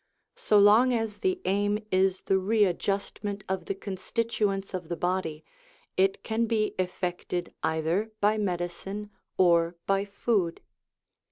So long as the aim is the readjustment of the constituents of the body, it can be effected either by medicine or by food.